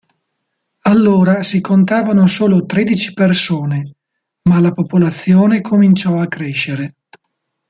Allora si contavano solo tredici persone, ma la popolazione cominciò a crescere.